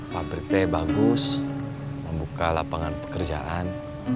pabrik teh bagus membuka lapangan pekerjaan